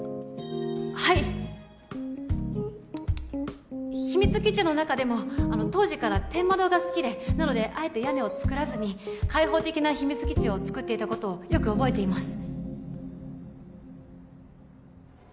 はい秘密基地の中でも当時から天窓が好きでなのであえて屋根を作らずに開放的な秘密基地を作っていたことをよく覚えています